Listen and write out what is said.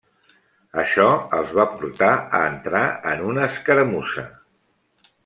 Això els va portar a entrar en una escaramussa.